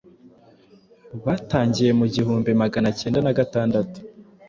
Batangiye mu igihumbi Magana acyenda na gatandatu